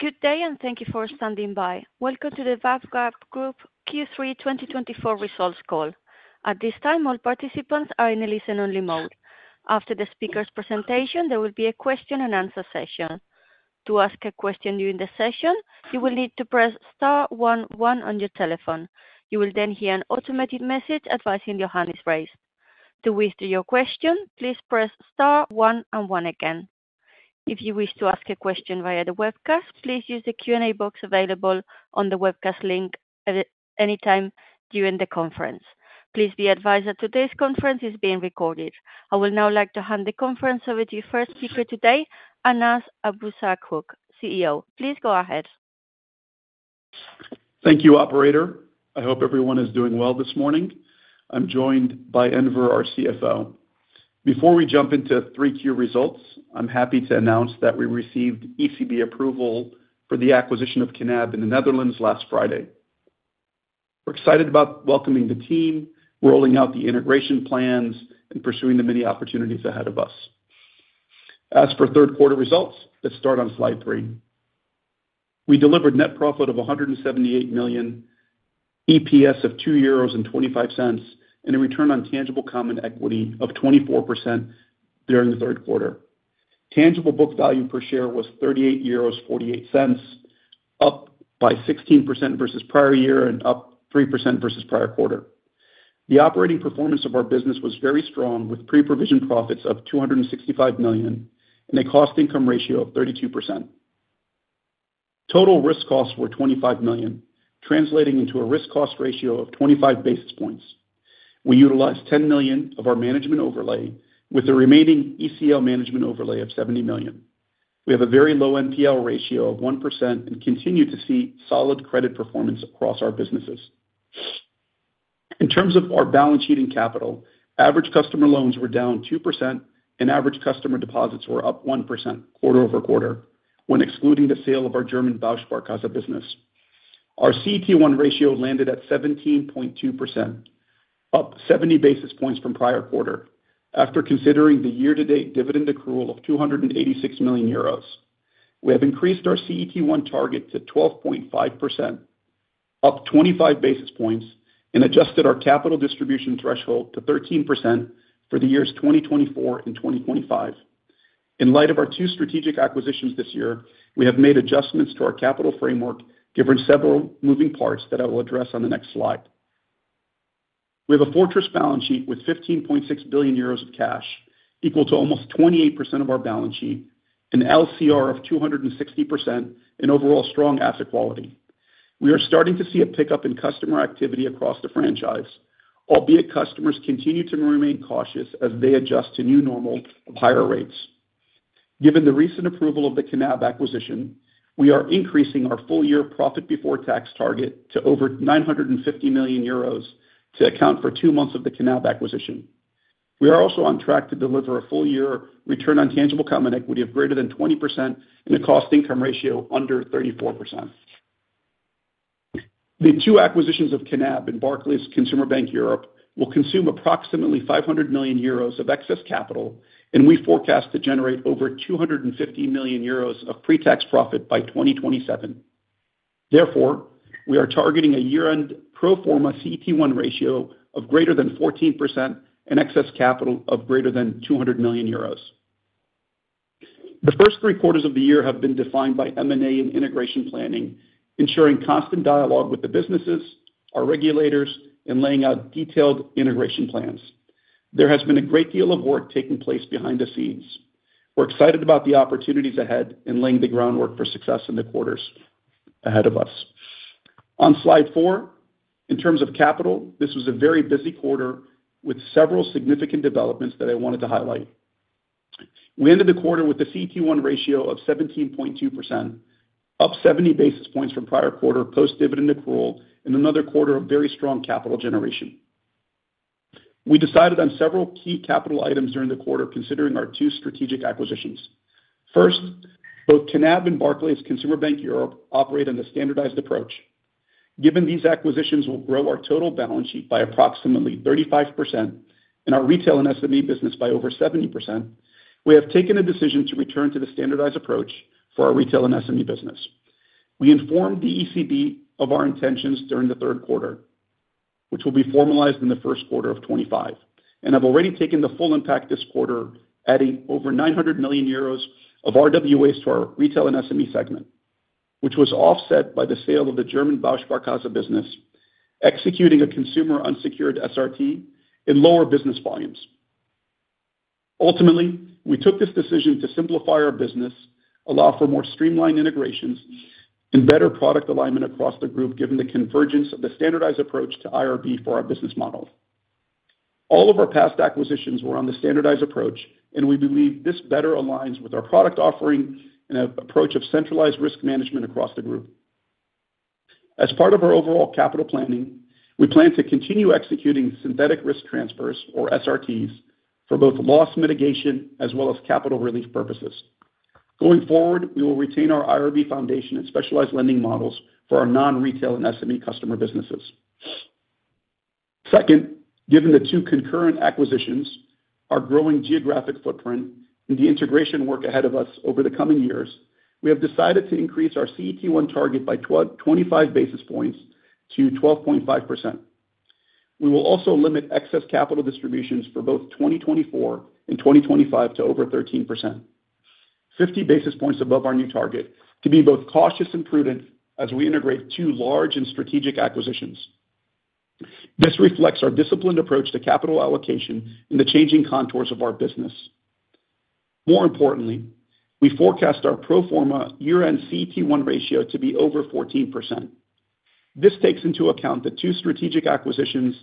Good day, and thank you for standing by. Welcome to the BAWAG Group Q3 twenty twenty-four results call. At this time, all participants are in a listen-only mode. After the speaker's presentation, there will be a question-and-answer session. To ask a question during the session, you will need to press star one one on your telephone. You will then hear an automated message advising your hand is raised. To withdraw your question, please press star one one again. If you wish to ask a question via the webcast, please use the Q&A box available on the webcast link at any time during the conference. Please be advised that today's conference is being recorded. I would now like to hand the conference over to our first speaker today, Anas Abuzaakouk, CEO. Please go ahead. Thank you, operator. I hope everyone is doing well this morning. I'm joined by Enver, our CFO. Before we jump into 3Q results, I'm happy to announce that we received ECB approval for the acquisition of Knab in the Netherlands last Friday. We're excited about welcoming the team, rolling out the integration plans, and pursuing the many opportunities ahead of us. As for third quarter results, let's start on slide three. We delivered net profit of 178 million, EPS of 2.25 euros, and a return on tangible common equity of 24% during the third quarter. Tangible book value per share was 38.48 euros, up by 16% versus prior year and up 3% versus prior quarter. The operating performance of our business was very strong, with pre-provision profits of 265 million and a cost-income ratio of 32%. Total risk costs were 25 million, translating into a risk cost ratio of 25 basis points. We utilized 10 million of our management overlay, with the remaining ECL management overlay of 70 million. We have a very low NPL ratio of 1% and continue to see solid credit performance across our businesses. In terms of our balance sheet and capital, average customer loans were down 2% and average customer deposits were up 1% quarter over quarter, when excluding the sale of our German Bausparkasse business. Our CET1 ratio landed at 17.2%, up 70 basis points from prior quarter. After considering the year-to-date dividend accrual of 286 million euros, we have increased our CET1 target to 12.5%, up 25 basis points, and adjusted our capital distribution threshold to 13% for the years 2024 and 2025. In light of our two strategic acquisitions this year, we have made adjustments to our capital framework, given several moving parts that I will address on the next slide. We have a fortress balance sheet with 15.6 billion euros of cash, equal to almost 28% of our balance sheet, an LCR of 260%, and overall strong asset quality. We are starting to see a pickup in customer activity across the franchise, albeit customers continue to remain cautious as they adjust to new normal of higher rates. Given the recent approval of the Knab acquisition, we are increasing our full-year profit before tax target to over 950 million euros to account for two months of the Knab acquisition. We are also on track to deliver a full-year return on tangible common equity of greater than 20% and a cost-income ratio under 34%. The two acquisitions of Knab and Barclays Consumer Bank Europe will consume approximately 500 million euros of excess capital, and we forecast to generate over 250 million euros of pre-tax profit by 2027. Therefore, we are targeting a year-end pro forma CET1 ratio of greater than 14% and excess capital of greater than 200 million euros. The first three quarters of the year have been defined by M&A and integration planning, ensuring constant dialogue with the businesses, our regulators, and laying out detailed integration plans. There has been a great deal of work taking place behind the scenes. We're excited about the opportunities ahead and laying the groundwork for success in the quarters ahead of us. On slide four, in terms of capital, this was a very busy quarter with several significant developments that I wanted to highlight. We ended the quarter with a CET1 ratio of 17.2%, up 70 basis points from prior quarter, post-dividend accrual, and another quarter of very strong capital generation. We decided on several key capital items during the quarter, considering our two strategic acquisitions. First, both Knab and Barclays Consumer Bank Europe operate on the standardized approach. Given these acquisitions will grow our total balance sheet by approximately 35% and our retail and SME business by over 70%, we have taken a decision to return to the standardized approach for our retail and SME business. We informed the ECB of our intentions during the third quarter, which will be formalized in the first quarter of 2025 and have already taken the full impact this quarter, adding over 900 million euros of RWAs to our retail and SME segment, which was offset by the sale of the German Bausparkasse business, executing a consumer unsecured SRT in lower business volumes. Ultimately, we took this decision to simplify our business, allow for more streamlined integrations and better product alignment across the group, given the convergence of the standardized approach to IRB for our business model. All of our past acquisitions were on the standardized approach, and we believe this better aligns with our product offering and approach of centralized risk management across the group. As part of our overall capital planning, we plan to continue executing synthetic risk transfers, or SRTs, for both loss mitigation as well as capital relief purposes. Going forward, we will retain our IRB foundation and specialized lending models for our non-retail and SME customer businesses.... Second, given the two concurrent acquisitions, our growing geographic footprint, and the integration work ahead of us over the coming years, we have decided to increase our CET1 target by twenty-five basis points to 12.5%. We will also limit excess capital distributions for both 2024 and 2025 to over 13%, 50 basis points above our new target, to be both cautious and prudent as we integrate two large and strategic acquisitions. This reflects our disciplined approach to capital allocation and the changing contours of our business. More importantly, we forecast our pro forma year-end CET1 ratio to be over 14%. This takes into account the two strategic acquisitions,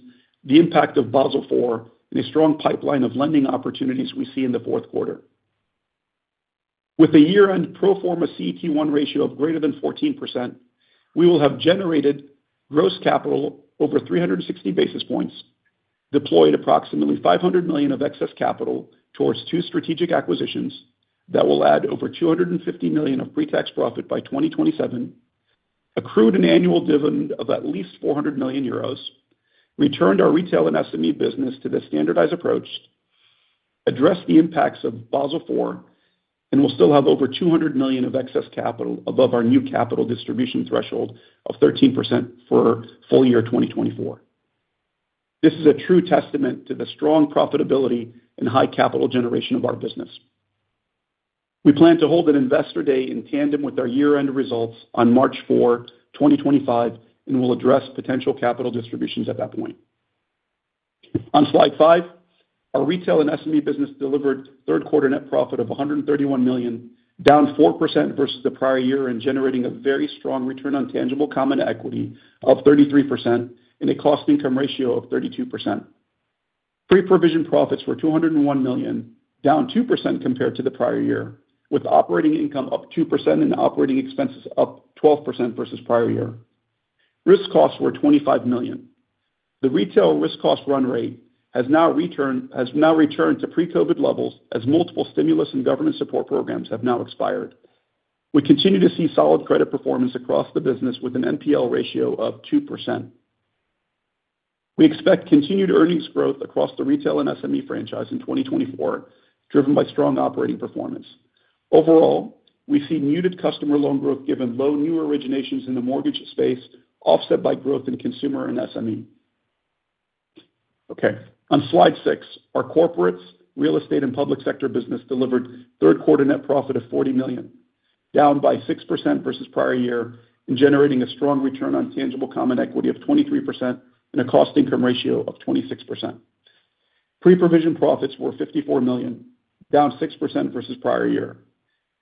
the impact of Basel IV, and a strong pipeline of lending opportunities we see in the fourth quarter. With a year-end pro forma CET1 ratio of greater than 14%, we will have generated gross capital over 360 basis points, deployed approximately 500 million of excess capital towards two strategic acquisitions that will add over 250 million of pre-tax profit by 2027, accrued an annual dividend of at least 400 million euros, returned our retail and SME business to the standardized approach, addressed the impacts of Basel IV, and will still have over 200 million of excess capital above our new capital distribution threshold of 13% for full year 2024. This is a true testament to the strong profitability and high capital generation of our business. We plan to hold an investor day in tandem with our year-end results on March fourth, 2025, and we'll address potential capital distributions at that point. On slide five, our retail and SME business delivered third quarter net profit of 131 million, down 4% versus the prior year, and generating a very strong return on tangible common equity of 33% and a cost-income ratio of 32%. Pre-provision profits were 201 million, down 2% compared to the prior year, with operating income up 2% and operating expenses up 12% versus prior year. Risk costs were 25 million. The retail risk cost run rate has now returned to pre-COVID levels as multiple stimulus and government support programs have now expired. We continue to see solid credit performance across the business with an NPL ratio of 2%. We expect continued earnings growth across the retail and SME franchise in 2024, driven by strong operating performance. Overall, we see muted customer loan growth given low new originations in the mortgage space, offset by growth in consumer and SME. Okay, on Slide 6, our corporates, real estate, and public sector business delivered third quarter net profit of 40 million, down by 6% versus prior year and generating a strong return on tangible common equity of 23% and a cost-income ratio of 26%. Pre-provision profits were 54 million, down 6% versus prior year.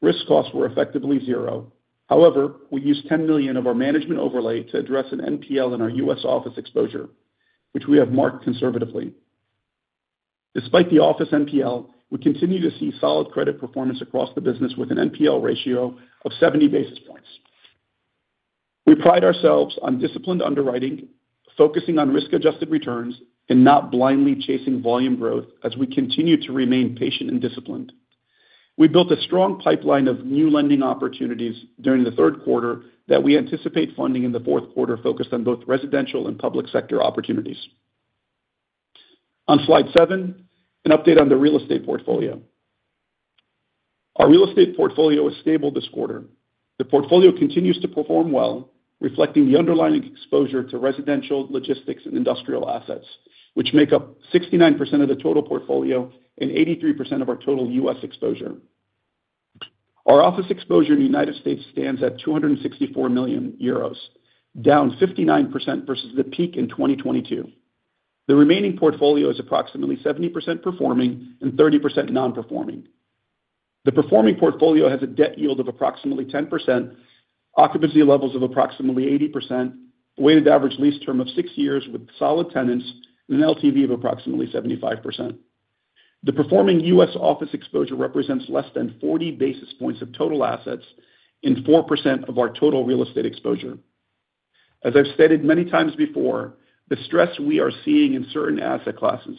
Risk costs were effectively zero. However, we used 10 million of our management overlay to address an NPL in our U.S. office exposure, which we have marked conservatively. Despite the office NPL, we continue to see solid credit performance across the business with an NPL ratio of 70 basis points. We pride ourselves on disciplined underwriting, focusing on risk-adjusted returns, and not blindly chasing volume growth as we continue to remain patient and disciplined. We built a strong pipeline of new lending opportunities during the third quarter that we anticipate funding in the fourth quarter, focused on both residential and public sector opportunities. On Slide seven, an update on the real estate portfolio. Our real estate portfolio is stable this quarter. The portfolio continues to perform well, reflecting the underlying exposure to residential, logistics, and industrial assets, which make up 69% of the total portfolio and 83% of our total US exposure. Our office exposure in the United States stands at 264 million euros, down 59% versus the peak in 2022. The remaining portfolio is approximately 70% performing and 30% non-performing. The performing portfolio has a debt yield of approximately 10%, occupancy levels of approximately 80%, a weighted average lease term of 6 years with solid tenants, and an LTV of approximately 75%. The performing U.S. office exposure represents less than 40 basis points of total assets and 4% of our total real estate exposure. As I've stated many times before, the stress we are seeing in certain asset classes,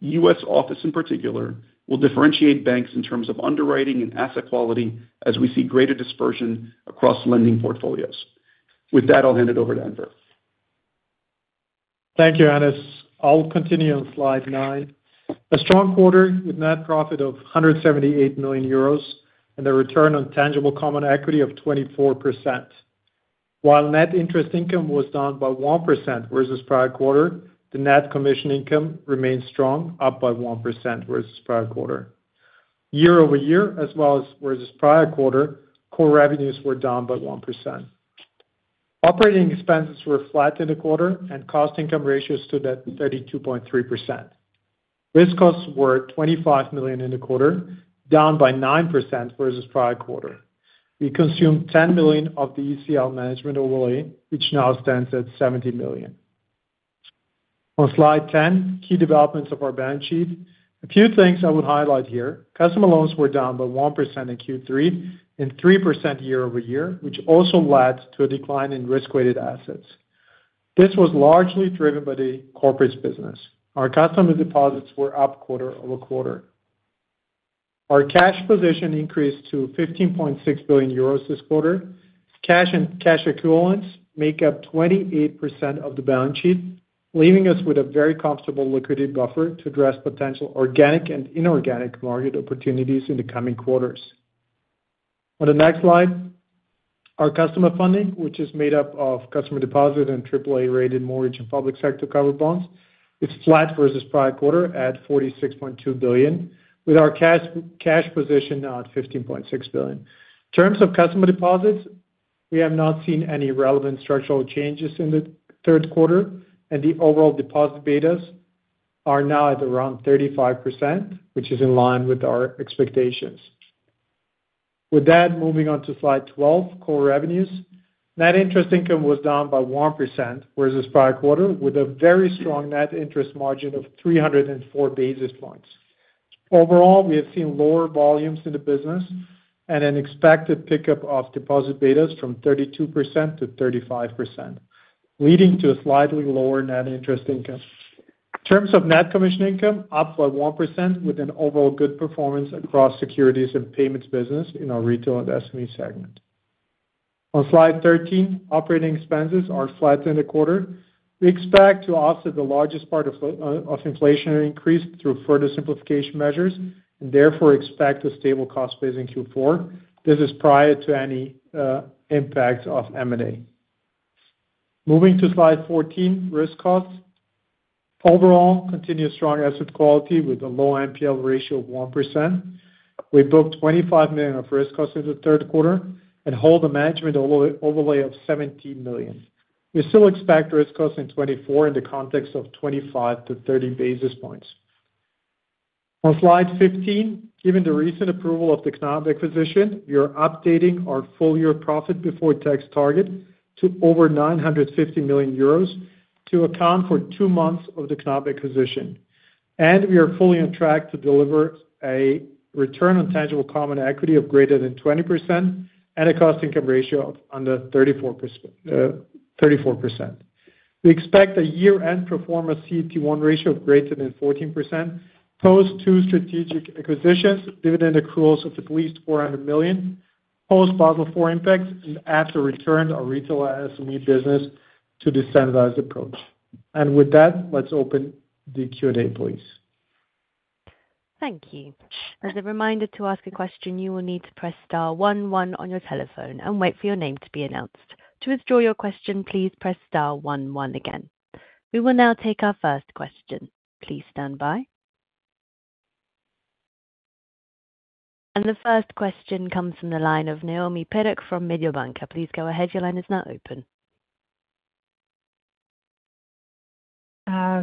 U.S. office in particular, will differentiate banks in terms of underwriting and asset quality as we see greater dispersion across lending portfolios. With that, I'll hand it over to Enver. Thank you, Anas. I'll continue on slide 9. A strong quarter with net profit of 178 million euros and a return on tangible common equity of 24%. While net interest income was down by 1% versus prior quarter, the net commission income remained strong, up by 1% versus prior quarter. Year over year, as well as versus prior quarter, core revenues were down by 1%. Operating expenses were flat in the quarter, and cost income ratios stood at 32.3%. Risk costs were 25 million in the quarter, down by 9% versus prior quarter. We consumed 10 million of the ECL management overlay, which now stands at 70 million. On slide 10, key developments of our balance sheet. A few things I would highlight here: customer loans were down by 1% in Q3 and 3% year over year, which also led to a decline in risk-weighted assets. This was largely driven by the corporates business. Our customer deposits were up quarter over quarter. Our cash position increased to 15.6 billion euros this quarter. Cash and cash equivalents make up 28% of the balance sheet, leaving us with a very comfortable liquidity buffer to address potential organic and inorganic market opportunities in the coming quarters. On the next slide, our customer funding, which is made up of customer deposit and triple A-rated mortgage and public sector covered bonds, is flat versus prior quarter at 46.2 billion, with our cash position now at 15.6 billion. In terms of customer deposits, we have not seen any relevant structural changes in the third quarter, and the overall deposit betas are now at around 35%, which is in line with our expectations. With that, moving on to slide 12, core revenues. Net interest income was down by 1% versus prior quarter, with a very strong net interest margin of 304 basis points. Overall, we have seen lower volumes in the business and an expected pickup of deposit betas from 32% to 35%, leading to a slightly lower net interest income. In terms of net commission income, up by 1% with an overall good performance across securities and payments business in our retail and SME segment. On slide 13, operating expenses are flat in the quarter. We expect to offset the largest part of inflation increase through further simplification measures, and therefore expect a stable cost base in Q4. This is prior to any impact of M&A. Moving to slide 14, risk costs. Overall, continued strong asset quality with a low NPL ratio of 1%. We booked 25 million of risk costs in the third quarter and hold a management overlay of 17 million. We still expect risk costs in 2024 in the context of 25-30 basis points. On slide 15, given the recent approval of the Knab acquisition, we are updating our full-year profit before tax target to over 950 million euros to account for two months of the Knab acquisition. We are fully on track to deliver a return on tangible common equity of greater than 20% and a cost-income ratio of under 34%. We expect a year-end pro forma CET1 ratio of greater than 14%, post two strategic acquisitions, dividend accruals of at least 400 million, post Basel IV impacts, and after return to our retail and SME business to the standardized approach. And with that, let's open the Q&A, please. Thank you. As a reminder, to ask a question, you will need to press star one one on your telephone and wait for your name to be announced. To withdraw your question, please press star one one again. We will now take our first question. Please stand by. And the first question comes from the line of Noemi Peruch from Mediobanca. Please go ahead. Your line is now open.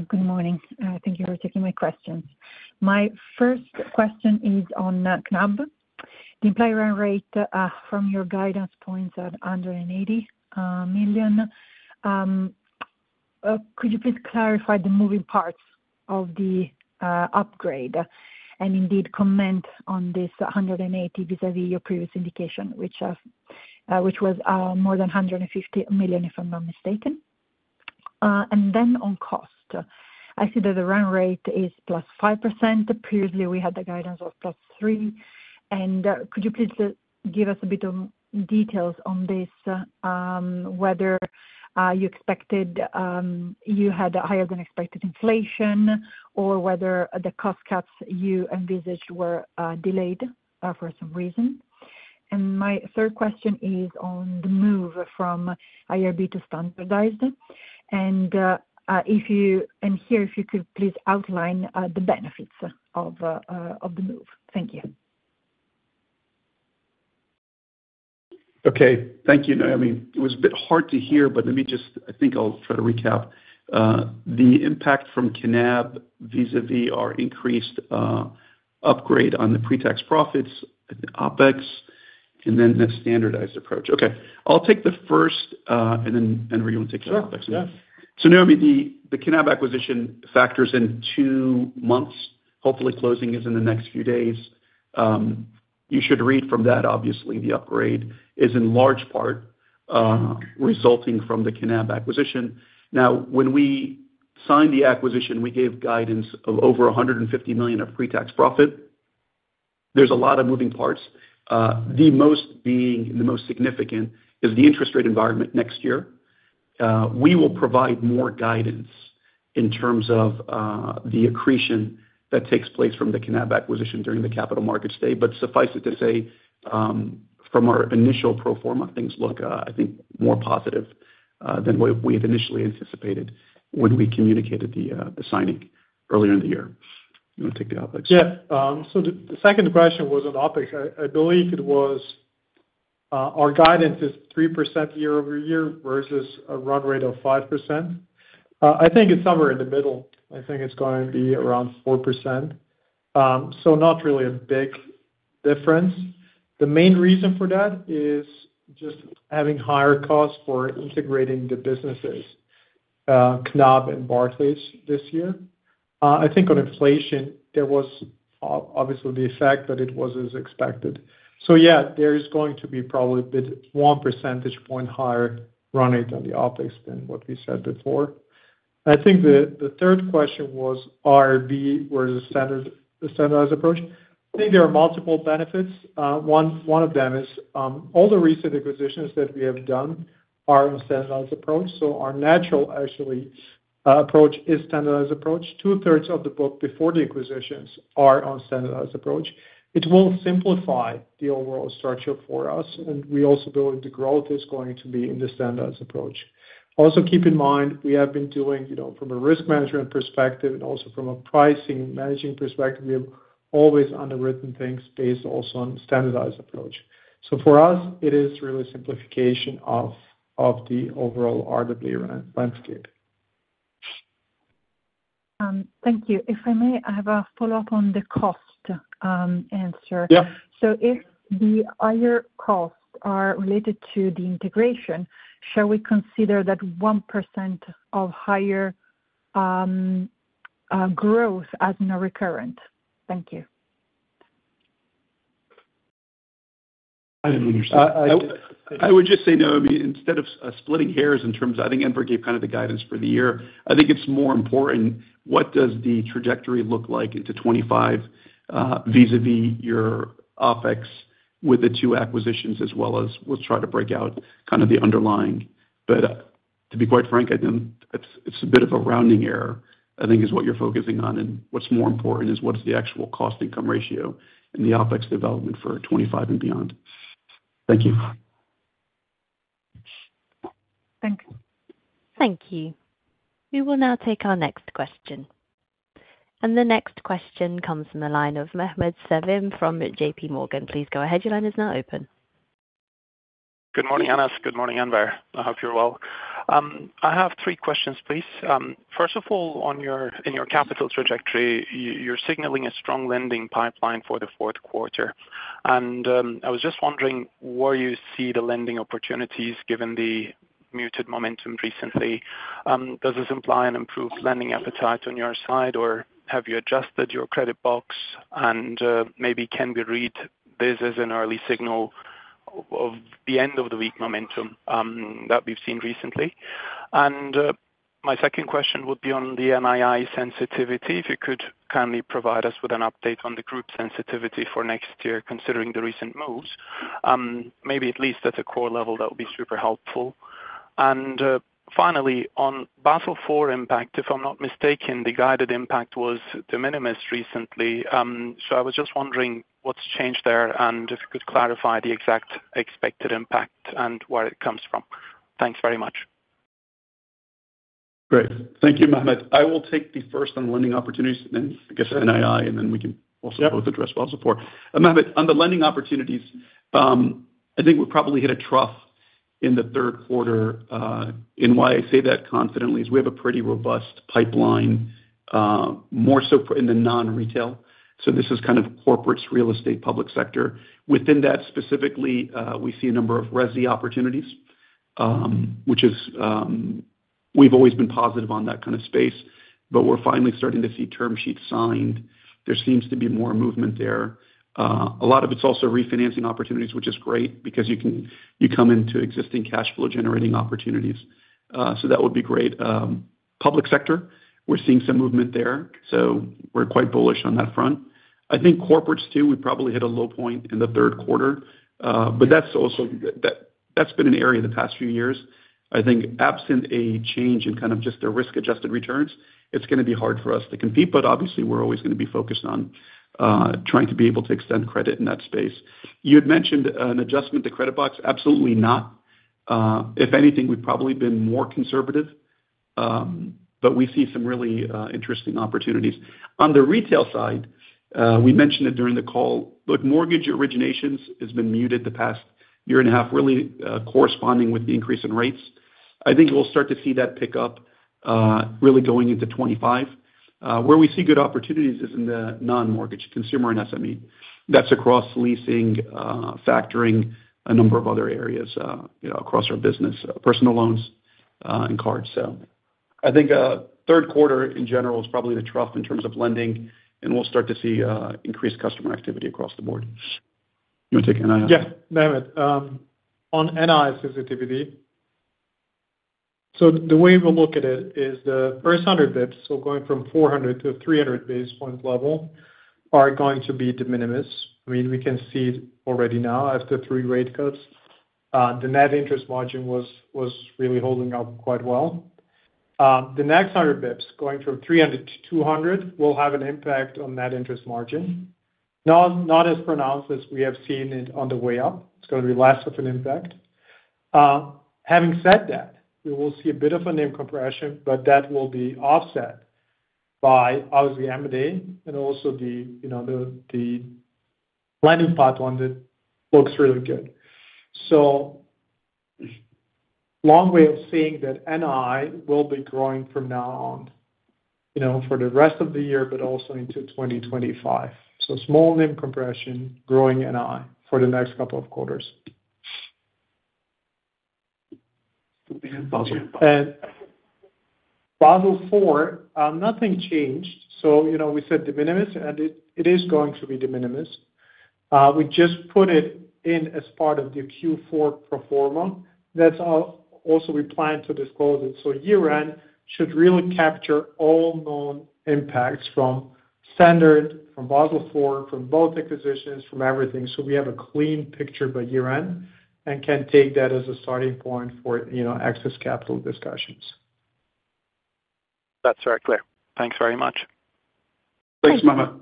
Good morning. Thank you for taking my questions. My first question is on Knab. The implied run rate from your guidance points at 180 million. Could you please clarify the moving parts of the upgrade and indeed comment on this 180 vis-a-vis your previous indication, which was more than 150 million, if I'm not mistaken? And then on cost, I see that the run rate is plus 5%. Previously, we had the guidance of plus 3%. And could you please give us a bit of details on this, whether you expected you had higher than expected inflation or whether the cost cuts you envisaged were delayed for some reason? My third question is on the move from IRB to standardized. Here, if you could please outline the benefits of the move. Thank you. Okay. Thank you, Noemi. It was a bit hard to hear, but let me just- I think I'll try to recap. The impact from Knab vis-a-vis our increased upgrade on the pre-tax profits, the OpEx, and then the standardized approach. Okay, I'll take the first, and then, and Enver, you want to take the OpEx? Sure, yeah. Noemi, the Knab acquisition factors in two months. Hopefully closing is in the next few days. You should read from that, obviously, the upgrade is in large part resulting from the Knab acquisition. Now, when we signed the acquisition, we gave guidance of over 150 million of pre-tax profit. There's a lot of moving parts, the most significant is the interest rate environment next year. We will provide more guidance in terms of the accretion that takes place from the Knab acquisition during the capital markets day, but suffice it to say, from our initial pro forma, things look, I think, more positive than what we had initially anticipated when we communicated the signing earlier in the year. You want to take the OpEx? Yeah. So the second question was on OpEx. I believe it was our guidance is 3% year over year versus a run rate of 5%. I think it's somewhere in the middle. I think it's going to be around 4%. So not really a big difference. The main reason for that is just having higher costs for integrating the businesses, Knab and Barclays this year. I think on inflation, there was obviously the effect, but it wasn't as expected. So yeah, there is going to be probably a bit one percentage point higher run rate on the OpEx than what we said before... I think the third question was IRB, where the standard, the standardized approach. I think there are multiple benefits. One of them is all the recent acquisitions that we have done are on standardized approach, so our natural actually approach is standardized approach. Two thirds of the book before the acquisitions are on standardized approach. It will simplify the overall structure for us, and we also believe the growth is going to be in the standardized approach. Also, keep in mind, we have been doing, you know, from a risk management perspective and also from a pricing and managing perspective, we have always underwritten things based also on standardized approach. So for us, it is really simplification of the overall IRB landscape. Thank you. If I may, I have a follow-up on the cost answer. Yeah. If the higher costs are related to the integration, shall we consider that 1% of higher growth as non-recurrent? Thank you. I didn't understand. I would just say no. I mean, instead of splitting hairs in terms of... I think Enver gave kind of the guidance for the year. I think it's more important, what does the trajectory look like into 2025, vis-à-vis your OpEx with the two acquisitions, as well as we'll try to break out kind of the underlying. But, to be quite frank, it's a bit of a rounding error, I think is what you're focusing on, and what's more important is what is the actual cost-income ratio and the OpEx development for 2025 and beyond. Thank you. Thank you. Thank you. We will now take our next question. And the next question comes from the line of Mehmet Sevim from JPMorgan. Please go ahead. Your line is now open. Good morning, Anas. Good morning, Enver. I hope you're well. I have three questions, please. First of all, in your capital trajectory, you're signaling a strong lending pipeline for the fourth quarter. And, I was just wondering where you see the lending opportunities given the muted momentum recently. Does this imply an improved lending appetite on your side, or have you adjusted your credit box? And, maybe can we read this as an early signal of the end of the weak momentum that we've seen recently? And, my second question would be on the NII sensitivity. If you could kindly provide us with an update on the group sensitivity for next year, considering the recent moves, maybe at least at a core level, that would be super helpful. And, finally, on Basel IV impact, if I'm not mistaken, the guided impact was de minimis recently. So, I was just wondering what's changed there, and if you could clarify the exact expected impact and where it comes from. Thanks very much. Great. Thank you, Mehmet. I will take the first on lending opportunities, then I guess NII, and then we can also both address Basel IV. Yeah. Mehmet, on the lending opportunities, I think we probably hit a trough in the third quarter, and why I say that confidently is we have a pretty robust pipeline, more so in the non-retail. So this is kind of corporates, real estate, public sector. Within that specifically, we see a number of resi opportunities, which is. We've always been positive on that kind of space, but we're finally starting to see term sheets signed. There seems to be more movement there. A lot of it's also refinancing opportunities, which is great, because you come into existing cash flow generating opportunities, so that would be great. Public sector, we're seeing some movement there, so we're quite bullish on that front. I think corporates, too, we probably hit a low point in the third quarter, but that's also, that's been an area the past few years. I think absent a change in kind of just the risk-adjusted returns, it's gonna be hard for us to compete, but obviously, we're always gonna be focused on trying to be able to extend credit in that space. You had mentioned an adjustment to credit box. Absolutely not. If anything, we've probably been more conservative, but we see some really interesting opportunities. On the retail side, we mentioned it during the call, look, mortgage originations has been muted the past year and a half, really, corresponding with the increase in rates. I think we'll start to see that pick up, really going into 2025. Where we see good opportunities is in the non-mortgage, consumer and SME. That's across leasing, factoring, a number of other areas, you know, across our business, personal loans, and cards. So I think, third quarter, in general, is probably the trough in terms of lending, and we'll start to see, increased customer activity across the board. You want to take NII? Yeah. Mehmet, on NII sensitivity, so the way we look at it is the first hundred basis points, so going from four hundred to three hundred basis point level, are going to be de minimis. I mean, we can see it already now after three rate cuts. The net interest margin was really holding up quite well. The next hundred basis points, going from three hundred to two hundred, will have an impact on net interest margin. Not as pronounced as we have seen it on the way up. It's going to be less of an impact. Having said that, we will see a bit of a NIM compression, but that will be offset by obviously, M&A and also you know, the lending pipeline that looks really good. So long way of saying that NII will be growing from now on, you know, for the rest of the year, but also into 2025. So small NIM compression, growing NII for the next couple of quarters. And Basel? Basel IV, nothing changed. You know, we said de minimis, and it is going to be de minimis.... we just put it in as part of the Q4 pro forma. That's also we plan to disclose it. So year-end should really capture all known impacts from standard, from Basel IV, from both acquisitions, from everything. So we have a clean picture by year-end, and can take that as a starting point for, you know, excess capital discussions. That's very clear. Thanks very much. Thanks, Mehmet.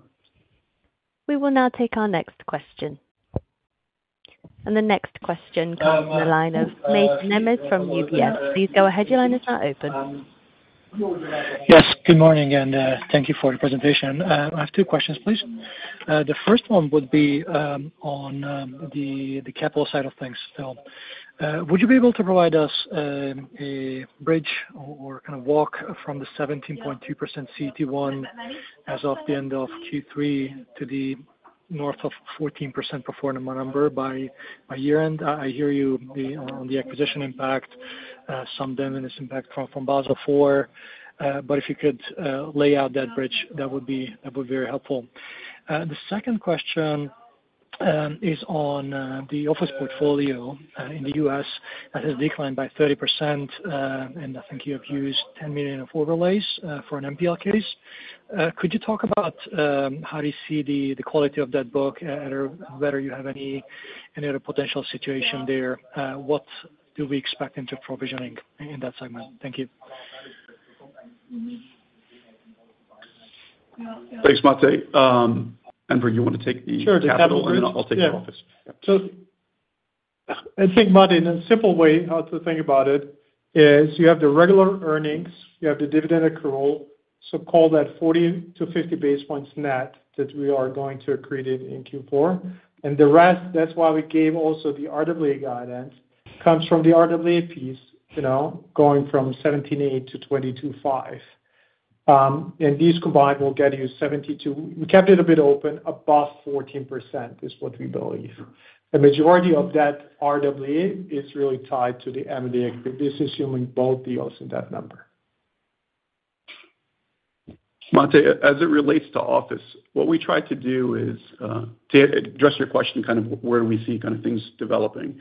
We will now take our next question, and the next question comes from the line of Mate Nemes from UBS. Please go ahead. Your line is now open. Yes, good morning, and thank you for the presentation. I have two questions, please. The first one would be on the capital side of things. So, would you be able to provide us a bridge or kind of walk from the 17.2% CET1 as of the end of Q3 to the north of 14% pro forma number by year-end? I hear you on the acquisition impact, some diminishing impact from Basel IV, but if you could lay out that bridge, that would be very helpful. The second question is on the office portfolio in the U.S., that has declined by 30%, and I think you have used 10 million of overlays for an NPL case. Could you talk about how do you see the quality of that book, and whether you have any other potential situation there? What do we expect into provisioning in that segment? Thank you. Thanks, Mate. Enver, you want to take the capital? Sure, the capital. and I'll take the office. Yeah. So I think, Mate, in a simple way, how to think about it is you have the regular earnings, you have the dividend accrual, so call that 40-50 basis points net that we are going to accrete it in Q4. And the rest, that's why we gave also the RWA guidance, comes from the RWA piece, you know, going from 17.8 to 22.5. And these combined will get you 72. We kept it a bit open, above 14% is what we believe. The majority of that RWA is really tied to the M&A activity. This is assuming both deals in that number. Mate, as it relates to office, what we tried to do is to address your question, kind of where do we see kind of things developing.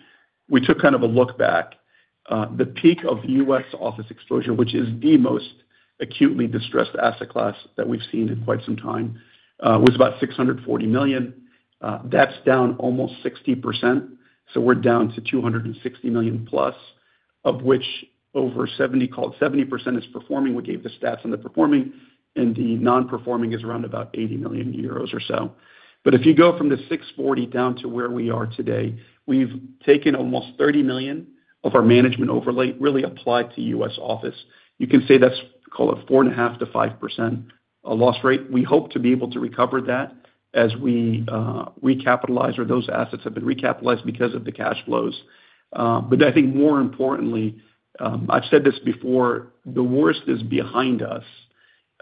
We took kind of a look back, the peak of the U.S. office exposure, which is the most acutely distressed asset class that we've seen in quite some time, was about 640 million. That's down almost 60%. So we're down to 260 million plus, of which over seventy, call it 70% is performing. We gave the stats on the performing, and the non-performing is around about 80 million euros or so. But if you go from the 640 down to where we are today, we've taken almost 30 million of our management overlay, really applied to U.S. office. You can say that's, call it 4.5%-5% loss rate. We hope to be able to recover that as we, recapitalize, or those assets have been recapitalized because of the cash flows. But I think more importantly, I've said this before, the worst is behind us,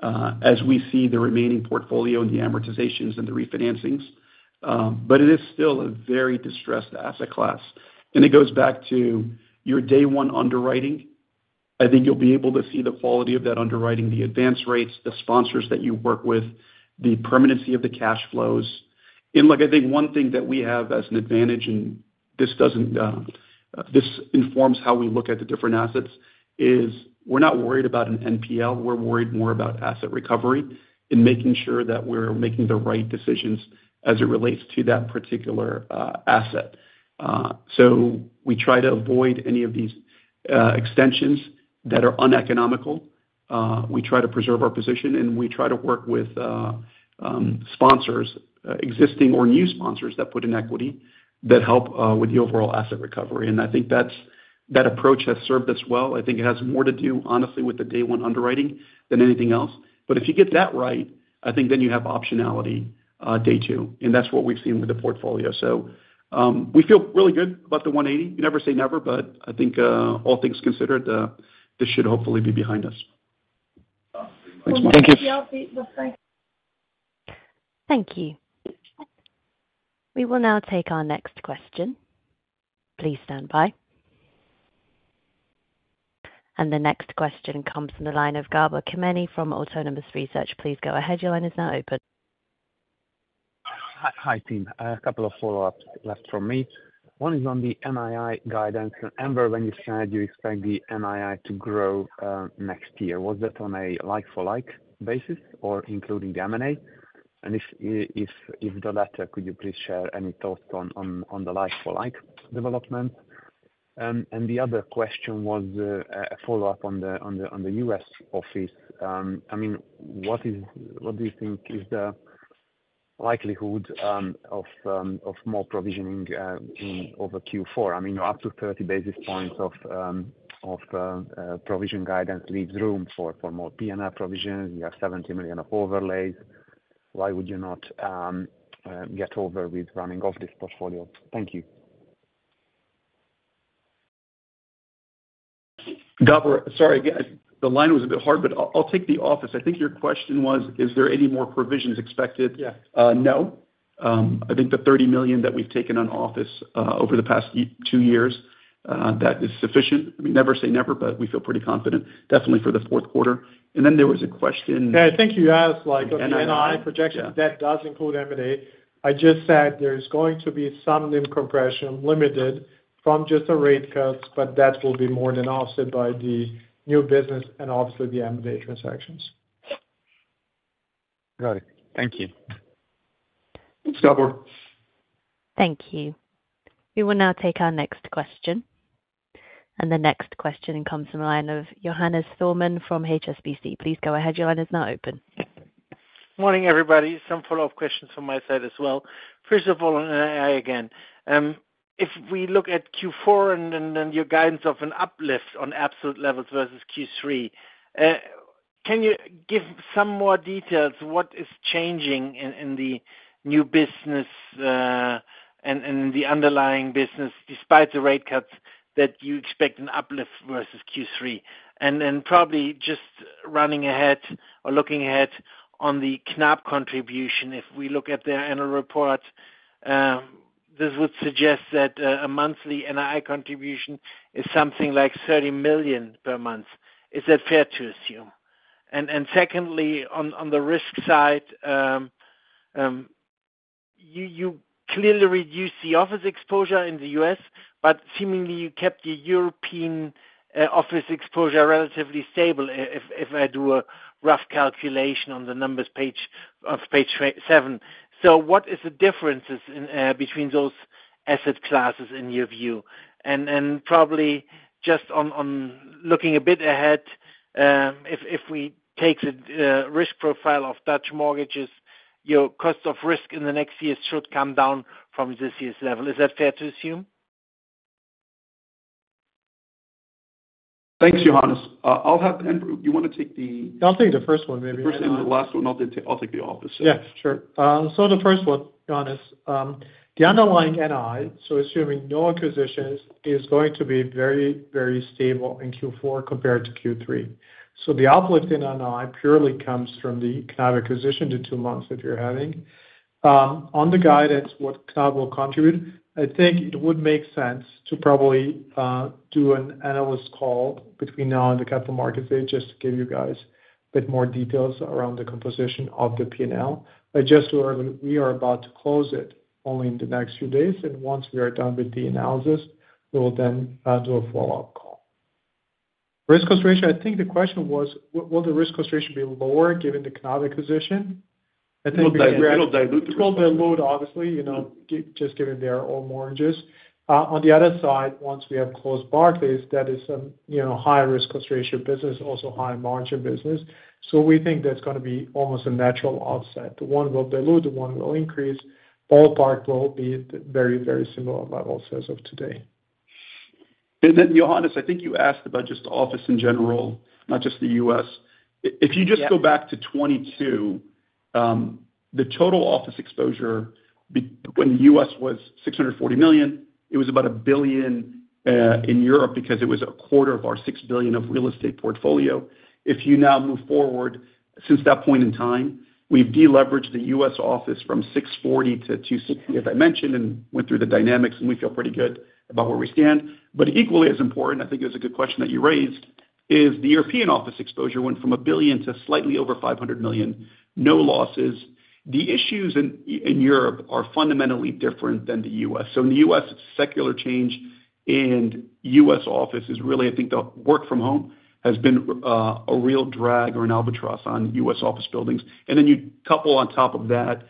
as we see the remaining portfolio and the amortizations and the refinancings, but it is still a very distressed asset class. And it goes back to your day one underwriting. I think you'll be able to see the quality of that underwriting, the advance rates, the sponsors that you work with, the permanency of the cash flows. And look, I think one thing that we have as an advantage, and this doesn't, this informs how we look at the different assets, is we're not worried about an NPL. We're worried more about asset recovery and making sure that we're making the right decisions as it relates to that particular asset. So we try to avoid any of these extensions that are uneconomical. We try to preserve our position, and we try to work with sponsors, existing or new sponsors that put in equity, that help with the overall asset recovery. And I think that's, that approach has served us well. I think it has more to do, honestly, with the day one underwriting than anything else. But if you get that right, I think then you have optionality day two, and that's what we've seen with the portfolio. So we feel really good about the one eighty. Never say never, but I think all things considered this should hopefully be behind us. Thank you. Thank you. We will now take our next question. Please stand by. And the next question comes from the line of Gabor Kemeny from Autonomous Research. Please go ahead, your line is now open. Hi, hi, team. A couple of follow-ups left from me. One is on the NII guidance. Enver, when you said you expect the NII to grow next year, was that on a like-for-like basis or including the M&A? And if the latter, could you please share any thoughts on the like-for-like development? And the other question was a follow-up on the U.S. office. I mean, what do you think is the likelihood of more provisioning over Q4? I mean, up to 30 basis points of provision guidance leaves room for more P&L provisions. You have 70 million of overlays. Why would you not get over with writing off this portfolio? Thank you. Gabor, sorry, again, the line was a bit hard, but I'll, I'll take the office. I think your question was, is there any more provisions expected? Yeah. No. I think the $30 million that we've taken on office over the past two years, that is sufficient. I mean, never say never, but we feel pretty confident, definitely for the fourth quarter. And then there was a question. Yeah, I think you asked, like, NII projection, that does include M&A. I just said there's going to be some NIM compression, limited from just the rate cuts, but that will be more than offset by the new business and obviously the M&A transactions. Got it. Thank you. You're welcome. Thank you. We will now take our next question, and the next question comes from the line of Johannes Thormann from HSBC. Please go ahead, your line is now open. Morning, everybody. Some follow-up questions from my side as well. First of all, on NII again. If we look at Q4 and your guidance of an uplift on absolute levels versus Q3, can you give some more details what is changing in the new business and the underlying business, despite the rate cuts that you expect an uplift versus Q3? And then probably just running ahead or looking ahead on the Knab contribution, if we look at their annual report, this would suggest that a monthly NII contribution is something like 30 million per month. Is that fair to assume? Secondly, on the risk side, you clearly reduced the office exposure in the U.S., but seemingly you kept the European office exposure relatively stable, if I do a rough calculation on the numbers page of page seven. What is the differences in between those asset classes in your view? Probably just on looking a bit ahead, if we take the risk profile of Dutch mortgages, your cost of risk in the next year should come down from this year's level. Is that fair to assume? Thanks, Johannes. I'll have Enver, you want to take the- I'll take the first one, maybe. The first one, the last one, I'll take. I'll take the office. Yeah, sure. So the first one, Johannes, the underlying NII, so assuming no acquisitions, is going to be very, very stable in Q4 compared to Q3. So the uplift in NII purely comes from the Knab acquisition to two months that you're having. On the guidance, what Knab will contribute, I think it would make sense to probably do an analyst call between now and the capital markets day, just to give you guys a bit more details around the composition of the P&L. But just so we are about to close it only in the next few days, and once we are done with the analysis, we will then do a follow-up call. Risk concentration, I think the question was, will the risk concentration be lower given the Knab acquisition? I think- It'll dilute the risk. It'll dilute, obviously, you know, just given they are all mortgages. On the other side, once we have closed Barclays, that is some, you know, high risk concentration business, also high margin business. So we think that's gonna be almost a natural offset. One will dilute, one will increase. All part will be at very, very similar levels as of today. And then, Johannes, I think you asked about just office in general, not just the U.S. Yeah. If you just go back to 2022, the total office exposure, when U.S. was 640 million, it was about 1 billion in Europe, because it was a quarter of our 6 billion real estate portfolio. If you now move forward since that point in time, we've deleveraged the U.S. office from 640 to 260, as I mentioned, and went through the dynamics, and we feel pretty good about where we stand. But equally as important, I think it was a good question that you raised, is the European office exposure went from a billion to slightly over 500 million. No losses. The issues in Europe are fundamentally different than the U.S. So in the U.S., secular change in U.S. office is really, I think, the work from home has been a real drag or an albatross on U.S. office buildings. And then you couple on top of that,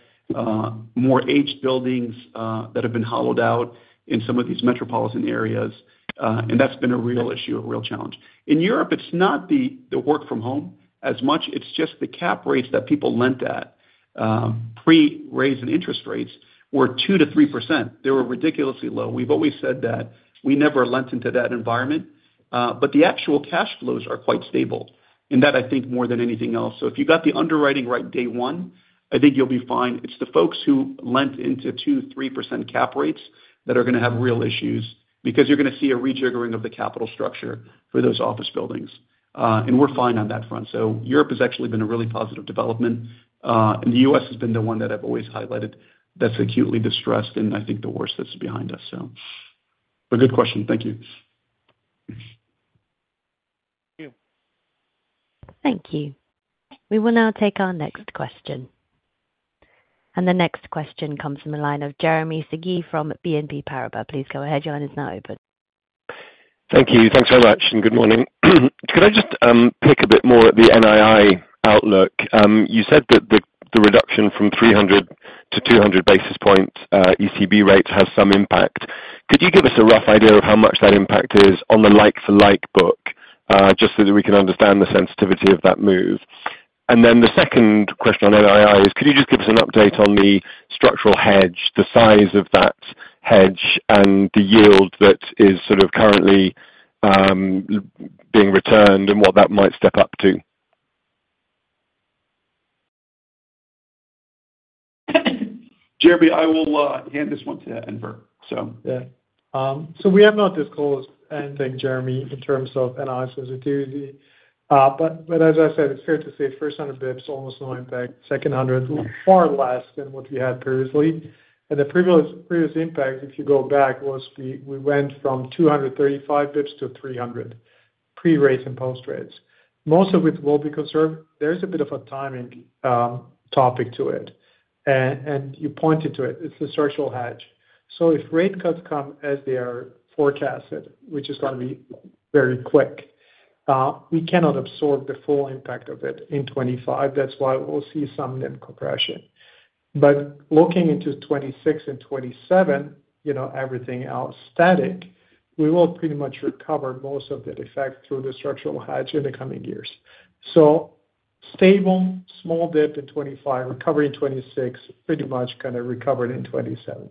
more aged buildings that have been hollowed out in some of these metropolitan areas, and that's been a real issue, a real challenge. In Europe, it's not the work from home as much, it's just the cap rates that people lent at. Pre-rise in interest rates were 2%-3%. They were ridiculously low. We've always said that we never lent into that environment, but the actual cash flows are quite stable, and that I think, more than anything else. So if you got the underwriting right day one, I think you'll be fine. It's the folks who lent into 2-3% cap rates that are gonna have real issues, because you're gonna see a rejiggering of the capital structure for those office buildings, and we're fine on that front. So Europe has actually been a really positive development, and the U.S. has been the one that I've always highlighted that's acutely distressed, and I think the worst that's behind us, so... But good question. Thank you. Thank you. Thank you. We will now take our next question. The next question comes from the line of Jeremy Sigee from BNP Paribas. Please go ahead, your line is now open. Thank you. Thanks so much, and good morning. Could I just pick a bit more at the NII outlook? You said that the reduction from 300 to 200 basis points, ECB rate has some impact. Could you give us a rough idea of how much that impact is on the like-for-like book, just so that we can understand the sensitivity of that move? And then the second question on NII is, could you just give us an update on the structural hedge, the size of that hedge, and the yield that is sort of currently being returned and what that might step up to? Jeremy, I will hand this one to Enver. So- Yeah, so we have not disclosed anything, Jeremy, in terms of analysis or clarity, but as I said, it's fair to say first hundred basis points, almost no impact, second hundred, far less than what we had previously, and the previous impact, if you go back, was we went from two hundred and thirty-five basis points to three hundred, pre-rates and post-rates. Most of it will be conserved. There is a bit of a timing topic to it, and you pointed to it. It's a structural hedge, so if rate cuts come as they are forecasted, which is gonna be very quick, we cannot absorb the full impact of it in twenty-five. That's why we'll see some NIM compression. But looking into 2026 and 2027, you know, everything else static, we will pretty much recover most of that effect through the structural hedge in the coming years. So stable, small dip in 2025, recovery in 2026, pretty much kind of recovered in 2027.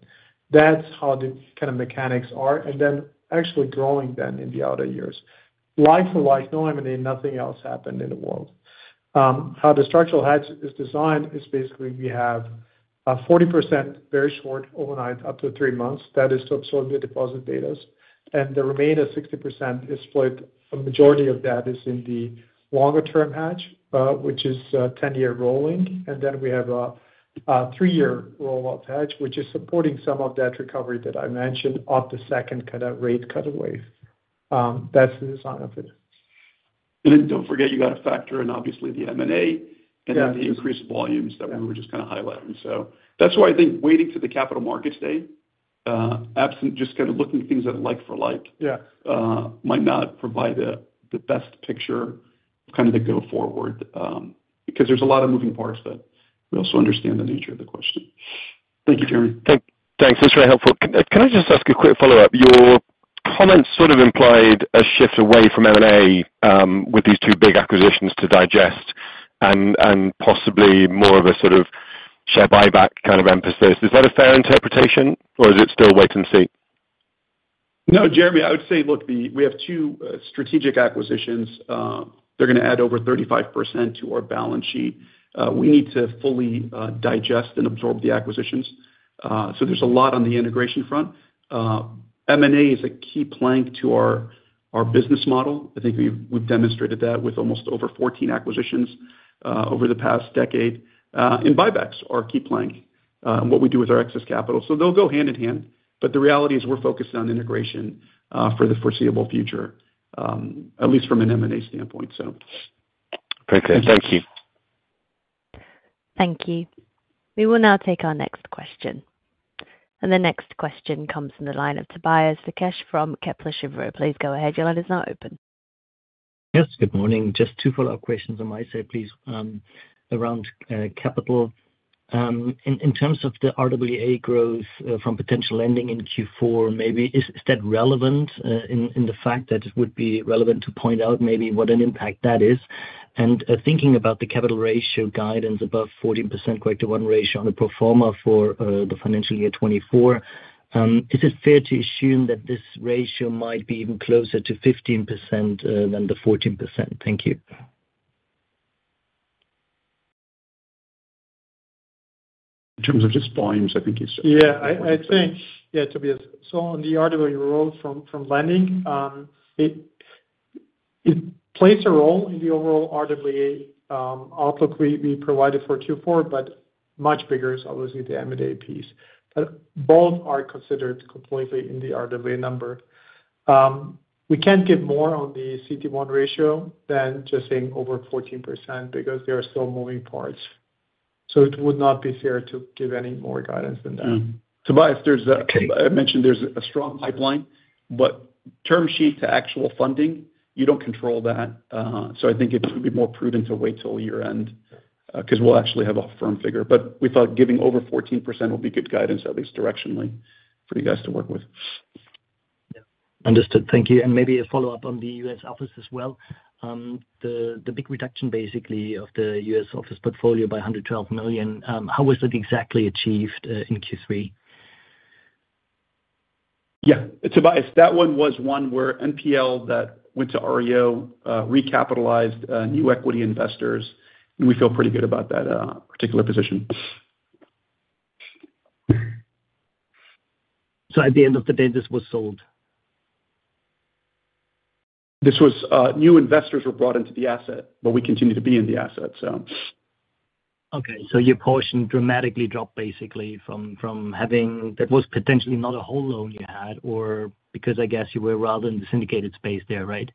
That's how the kind of mechanics are, and then actually growing then in the outer years. Like for like, no M&A, nothing else happened in the world. How the structural hedge is designed is basically we have a 40% very short overnight, up to three months. That is to absorb the deposit betas, and the remaining 60% is split. A majority of that is in the longer term hedge, which is ten-year rolling. And then we have a three-year roll out hedge, which is supporting some of that recovery that I mentioned of the second kind of rate cut away. That's the design of it. And then don't forget, you got to factor in obviously the M&A- Yeah. - and then the increased volumes that we were just kind of highlighting. So that's why I think waiting for the Capital Markets Day, absent just kind of looking at things that are like for like- Yeah... might not provide the best picture, kind of the go forward, because there's a lot of moving parts, but we also understand the nature of the question. Thank you, Jeremy. Thanks. That's very helpful. Can I just ask a quick follow-up? Your comments sort of implied a shift away from M&A with these two big acquisitions to digest and possibly more of a sort of share buyback kind of emphasis. Is that a fair interpretation, or is it still wait and see? No, Jeremy, I would say, look, we have two strategic acquisitions. They're gonna add over 35% to our balance sheet. We need to fully digest and absorb the acquisitions. So there's a lot on the integration front. M&A is a key plank to our business model. I think we've demonstrated that with almost over 14 acquisitions over the past decade, and buybacks are a key plank, and what we do with our excess capital. So they'll go hand in hand. But the reality is we're focused on integration for the foreseeable future, at least from an M&A standpoint, so. Very good. Thank you. Thank you. We will now take our next question. And the next question comes from the line of Tobias Lukesch from Kepler Cheuvreux. Please go ahead. Your line is now open. Yes, good morning. Just two follow-up questions on my side, please, around capital. In terms of the RWA growth from potential lending in Q4, maybe is that relevant in the fact that it would be relevant to point out maybe what an impact that is? And thinking about the capital ratio guidance above 14%, CET1 ratio on the pro forma for the financial year 2024, is it fair to assume that this ratio might be even closer to 15% than the 14%? Thank you. In terms of just volumes, I think it's- Yeah, I think, yeah, Tobias. So on the RWA role from lending, it plays a role in the overall RWA outlook we provided for Q4, but much bigger is obviously the M&A piece. But both are considered completely in the RWA number. We can't give more on the CET1 ratio than just saying over 14%, because there are still moving parts. So it would not be fair to give any more guidance than that. Mm-hmm. Tobias, there's a- Okay. I mentioned there's a strong pipeline, but term sheet to actual funding, you don't control that, so I think it would be more prudent to wait till year-end, because we'll actually have a firm figure, but we thought giving over 14% would be good guidance, at least directionally, for you guys to work with. Yeah. Understood. Thank you, and maybe a follow-up on the U.S. office as well. The big reduction basically of the U.S. office portfolio by 112 million, how was that exactly achieved in Q3? Yeah. Tobias, that one was one where NPL that went to REO, recapitalized, new equity investors, and we feel pretty good about that, particular position. At the end of the day, this was sold? This was, new investors were brought into the asset, but we continue to be in the asset, so. Okay, so your portion dramatically dropped basically from having... That was potentially not a whole loan you had or because I guess you were rather in the syndicated space there, right?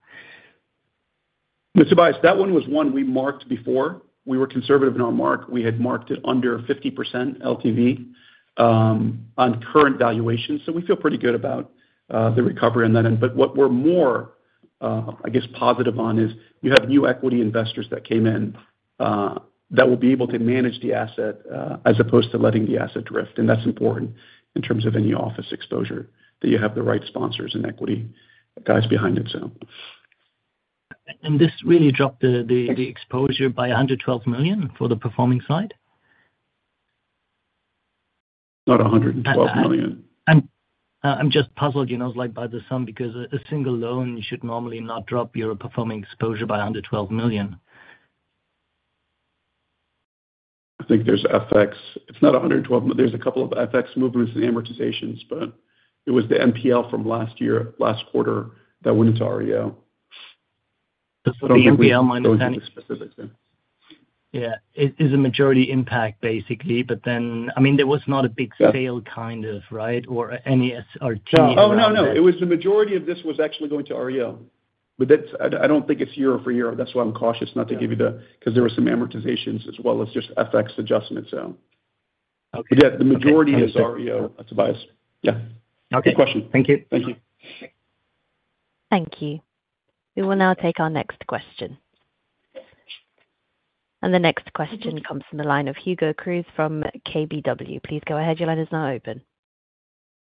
Tobias, that one was one we marked before. We were conservative in our mark. We had marked it under 50% LTV, on current valuations, so we feel pretty good about the recovery on that end. But what we're more, I guess, positive on is you have new equity investors that came in, that will be able to manage the asset, as opposed to letting the asset drift, and that's important in terms of any office exposure, that you have the right sponsors and equity guys behind it, so. This really dropped the exposure by 112 million for the performing side? About 112 million. I'm just puzzled, you know, like, by the sum, because a single loan should normally not drop your performing exposure by 112 million. I think there's FX. It's not a hundred and twelve, but there's a couple of FX movements and amortizations, but it was the NPL from last year, last quarter, that went into REO. ... So for the NPL minus ten. Yeah, it is a majority impact, basically, but then, I mean, there was not a big sale- Yeah. -kind of, right? Or any SRT. Oh, no, no. It was the majority of this was actually going to REO. But that's. I, I don't think it's year-over-year. That's why I'm cautious not to give you the... Because there were some amortizations as well as just FX adjustments, so. Okay. But yeah, the majority is REO. That's Tobias. Yeah. Okay. Good question. Thank you. Thank you. Thank you. We will now take our next question. And the next question comes from the line of Hugo Cruz from KBW. Please go ahead. Your line is now open.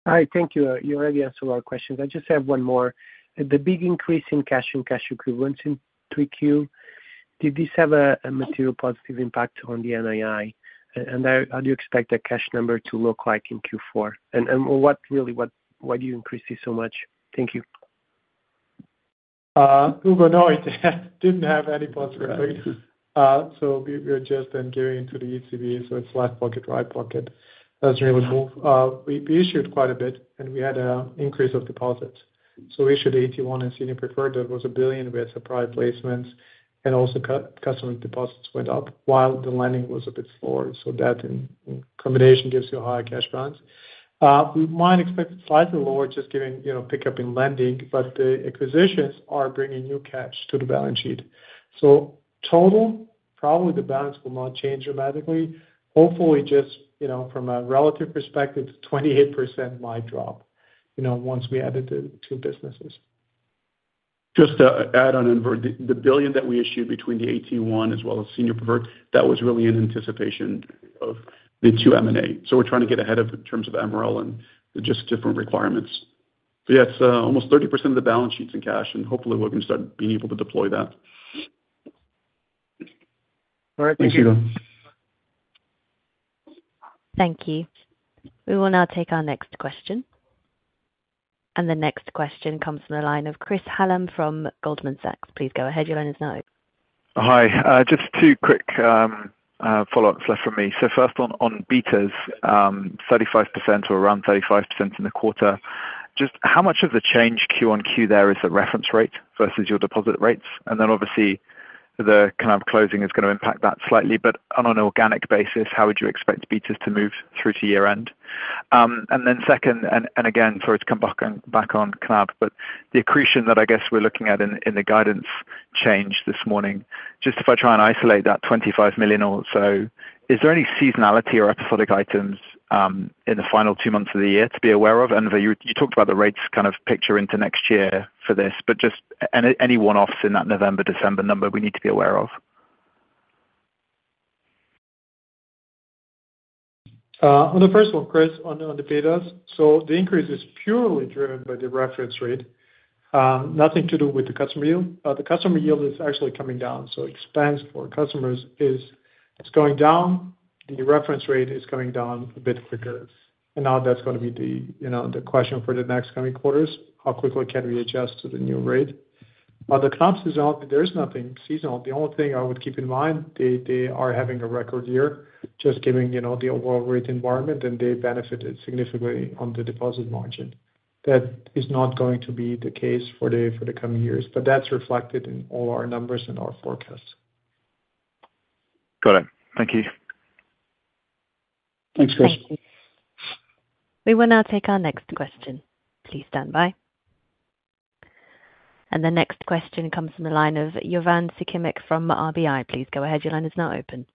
Hi. Thank you. You already answered a lot of questions. I just have one more. The big increase in cash and cash equivalents in 3Q, did this have a material positive impact on the NII? And how do you expect the cash number to look like in Q4? And what really, why do you increase this so much? Thank you. Hugo, no, it didn't have any positive impact. So we are just then giving to the ECB, so it's left pocket, right pocket. That's where we move. We issued quite a bit, and we had an increase of deposits. So we issued AT1 and Senior Preferred. That was 1 billion with private placements, and also customer deposits went up while the lending was a bit slower, so that in combination gives you a higher cash balance. We might expect slightly lower, just giving, you know, pickup in lending, but the acquisitions are bringing new cash to the balance sheet. So total, probably the balance will not change dramatically. Hopefully, just, you know, from a relative perspective, 28% might drop, you know, once we added the two businesses. Just to add on, and the 1 billion that we issued between the AT1 as well as Senior Preferred, that was really in anticipation of the two M&A. So we're trying to get ahead of it in terms of MREL and just different requirements. But yes, almost 30% of the balance sheet's in cash, and hopefully we can start being able to deploy that. All right. Thank you. Thank you. We will now take our next question. And the next question comes from the line of Chris Hallam from Goldman Sachs. Please go ahead, your line is now open. Hi. Just two quick follow-ups left from me. So first on betas, 35% or around 35% in the quarter. Just how much of the change Q on Q there is the reference rate versus your deposit rates? And then obviously, the kind of closing is gonna impact that slightly, but on an organic basis, how would you expect betas to move through to year-end? And then second, and again, sorry to come back on back on Knab, but the accretion that I guess we're looking at in the guidance change this morning, just if I try and isolate that 25 million or so, is there any seasonality or episodic items in the final two months of the year to be aware of? You talked about the rates kind of picture into next year for this, but just any one-offs in that November, December number we need to be aware of? On the first one, Chris, on the betas, so the increase is purely driven by the reference rate. Nothing to do with the customer yield. The customer yield is actually coming down, so the expansion for customers is going down, and the reference rate is going down a bit quicker. And now that's gonna be the, you know, the question for the next coming quarters: How quickly can we adjust to the new rate? The comps is out, there's nothing seasonal. The only thing I would keep in mind, they are having a record year, just given, you know, the overall rate environment, and they benefited significantly on the deposit margin. That is not going to be the case for the coming years, but that's reflected in all our numbers and our forecasts. Got it. Thank you. Thanks, Chris. We will now take our next question. Please stand by, and the next question comes from the line of Jovan Sikimic from RBI. Please go ahead. Your line is now open.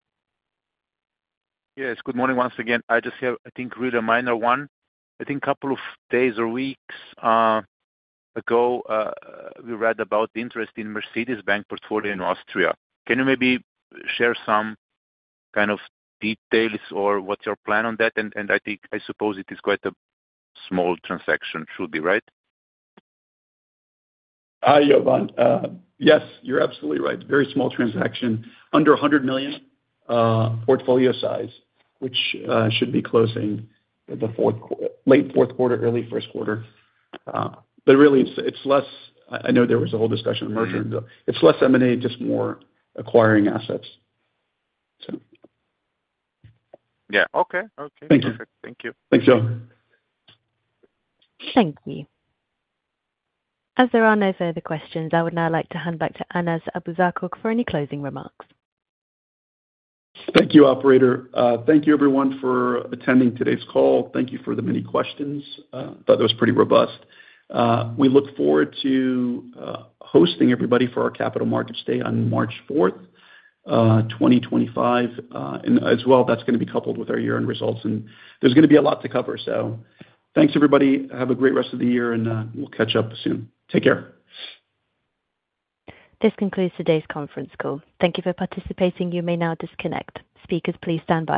Yes. Good morning once again. I just have, I think, really a minor one. I think a couple of days or weeks ago, we read about the interest in Mercedes-Benz Bank portfolio in Austria. Can you maybe share some kind of details or what's your plan on that? And I think, I suppose it is quite a small transaction. Should be, right? Hi, Jovan. Yes, you're absolutely right. Very small transaction, under 100 million portfolio size, which should be closing late fourth quarter, early first quarter. But really, it's less M&A. I know there was a whole discussion of mergers. It's less M&A, just more acquiring assets, so. Yeah. Okay. Okay. Thank you. Thank you. Thanks, Jovan. Thank you. As there are no further questions, I would now like to hand back to Anas Abuzaakouk for any closing remarks. Thank you, operator. Thank you everyone for attending today's call. Thank you for the many questions. Thought it was pretty robust. We look forward to hosting everybody for our Capital Markets Day on March 4th, 2025. And as well, that's gonna be coupled with our year-end results, and there's gonna be a lot to cover. So thanks, everybody. Have a great rest of the year, and we'll catch up soon. Take care. This concludes today's conference call. Thank you for participating. You may now disconnect. Speakers, please stand by.